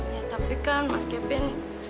ya tapi kan mas kevin